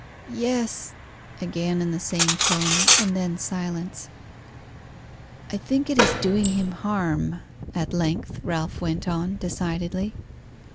"Yes!" again, in the same tone; and then silence. "I think it is doing him harm," at length Ralph went on, decidedly.